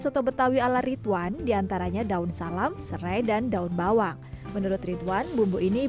soto betawi ala ridwan diantaranya daun salam serai dan daun bawang menurut ridwan bumbu ini